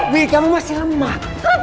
wih kamu masih lemah